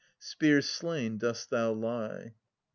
Spear slain dost thou lie.